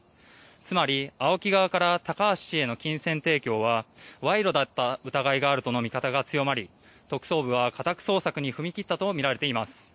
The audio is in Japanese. つまり、ＡＯＫＩ側から高橋氏への金銭提供はわいろだった疑いがあるとの見方が強まり特捜部は家宅捜索に踏み切ったとみられています。